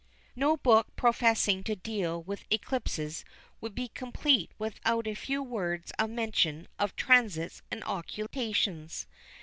No book professing to deal with eclipses would be complete without a few words of mention of "transits" and "occultations."